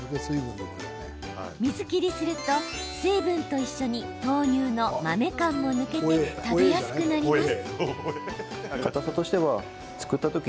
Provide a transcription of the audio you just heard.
水切りすると水分と一緒に豆乳の豆感も抜けて食べやすくなります。